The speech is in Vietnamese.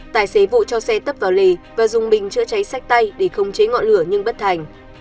tài xế vụ cho xe tấp vào lề và dùng bình chữa cháy sách tay để khống chế ngọn lửa nhưng bất thành